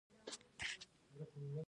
استاد بینوا د خپلواک فکر مالک و.